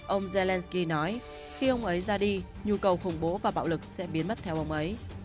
ông zelensky nói khi ông ấy ra đi nhu cầu khủng bố và bạo lực sẽ biến mất theo ông ấy